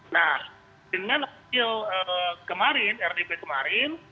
nah dengan hasil kemarin rdp kemarin